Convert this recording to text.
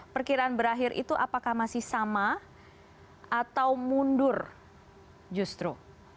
perkiraan berakhir itu apakah masih sama atau mundur justru